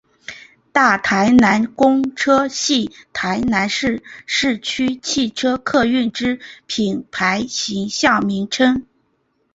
大台南公车系台南市市区汽车客运之品牌形象名称。